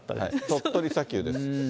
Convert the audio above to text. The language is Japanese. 鳥取砂丘です。